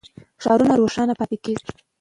ښارونه روښانه پاتې کېږي.